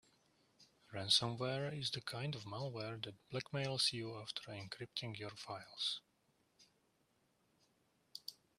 Ransomware is the kind of malware that blackmails you after encrypting your files.